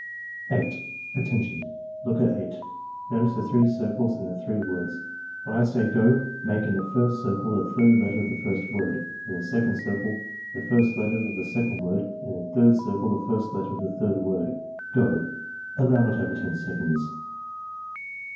8. "Attention! Look at 8. Notice the three circles and the three words. When I say 'go' make in the^rs^ circle the third letter of the first word; in the second circle the first letter of the second word and in the third circle the first letter of the third word. — Go!" (Allow not over 10 seconds.)